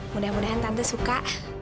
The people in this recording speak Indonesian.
mudah mudahan tante suka